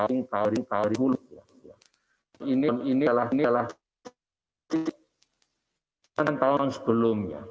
ini adalah tahun sebelumnya